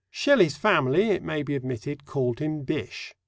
Shelley's family, it may be admitted, called him "Bysshe."